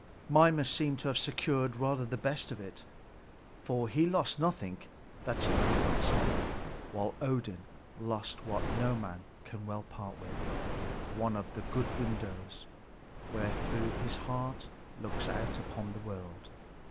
Mimer seemed to have secured rather the best of it; for he lost nothing that he could not spare, while Odin lost what no man can well part with, one of the good windows wherethrough his heart looks out upon the world.